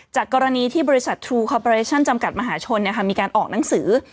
จากกรณีที่บริษัทจำกัดมหาชนเนี่ยค่ะมีการออกหนังสือ